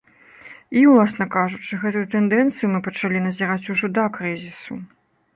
І, уласна кажучы, гэтую тэндэнцыю мы пачалі назіраць ужо да крызісу.